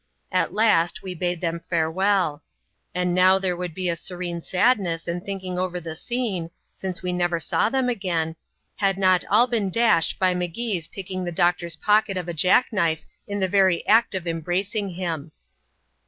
At last, we bade them farewell. And there would now be a serene sadness in thinking over the scene — since we never saw them again — had not all been dashed by M*Gee's picking the doctor's pocket of a jackknife, in the very act of embracing him.